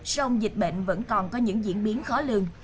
sông dịch bệnh vẫn còn có những diễn biến khó lường